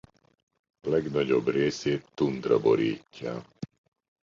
Legnagyobb részét tundra borítja.